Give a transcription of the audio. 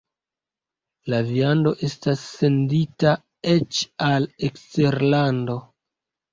La viando estas sendita eĉ al eksterlando.